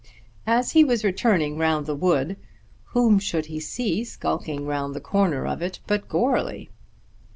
As he was returning round the wood, whom should he see skulking round the corner of it but Goarly?